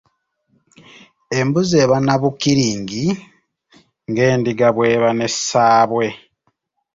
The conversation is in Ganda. Embuzi eba na bukiringi nga endiga bw’eba ne Ssaabwe.